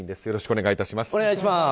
よろしくお願いします。